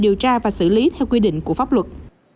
điều tra và xử lý theo quy định của pháp luật